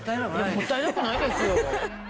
もったいなくないですよ。